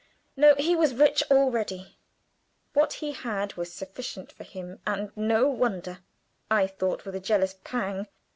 No! he was rich already. What he had was sufficient for him, and no wonder, I thought, with a jealous pang.